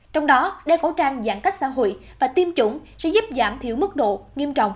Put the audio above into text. trong đó đeo khẩu trang giãn cách xã hội và tiêm chủng sẽ giúp giảm thiểu mức độ nghiêm trọng